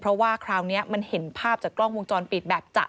เพราะว่าคราวนี้มันเห็นภาพจากกล้องวงจรปิดแบบจะ